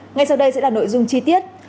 ngay sau đây sẽ là nội dung chi tiết